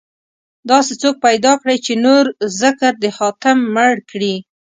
داسې څوک پيدا کړئ، چې نور ذکر د حاتم مړ کړي